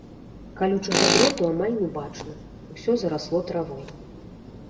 Калючага дроту амаль не бачна, усё зарасло травой.